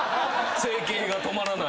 整形が止まらない。